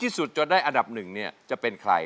สุดจนได้อันดับหนึ่งเนี่ยจะเป็นใคร